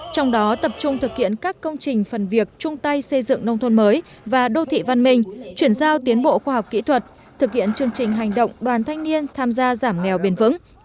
trong đó tập trung thực hiện các công trình phần việc chung tay xây dựng nông thôn mới và đô thị văn minh chuyển giao tiến bộ khoa học kỹ thuật thực hiện chương trình hành động đoàn thanh niên tham gia giảm nghèo bền vững